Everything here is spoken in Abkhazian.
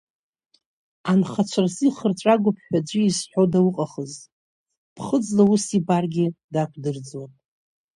Анхацәа рзы ихырҵәагоуп ҳәа аӡәы изҳәо дауҟахыз, ԥхыӡла ус ибаргьы дақәдырӡуан.